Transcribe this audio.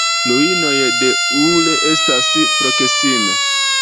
Ruinoj de Ur estas proksime.